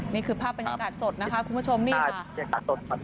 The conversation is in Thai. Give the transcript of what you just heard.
นี่คือภาพบรรยากาศสดนะคะคุณผู้ชมนี่ค่ะ